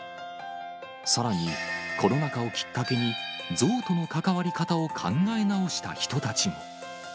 さらに、コロナ禍をきっかけに、ゾウとの関わり方を考え直した人たちも。